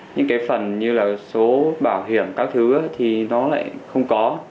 những cái phần như là số bảo hiểm các thứ thì nó lại không có